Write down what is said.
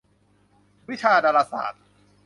วิชาดาราศาสตร์